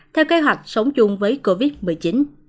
theo kế hoạch sống chung với covid một mươi chín